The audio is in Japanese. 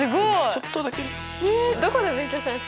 ちょっとだけね。